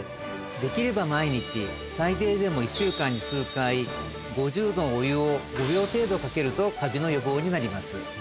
できれば毎日最低でも１週間に数回５０℃のお湯を５秒程度かけるとカビの予防になります。